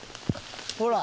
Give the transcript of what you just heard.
ほら。